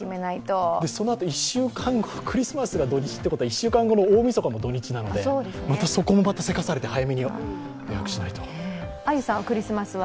クリスマスが土日ということは、１週間後の大みそかも土日なのでまたそこも急かされて早めよ予約しないと。